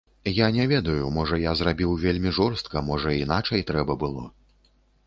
Я не ведаю, можа, я зрабіў вельмі жорстка, можа, іначай трэба было.